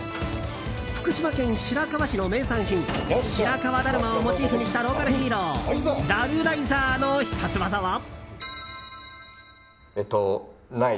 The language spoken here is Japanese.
福島県白河市の名産品白河だるまをモチーフにしたローカルヒーローダルライザーの必殺技は。